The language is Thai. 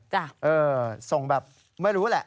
เออส่งแบบไม่รู้แหละ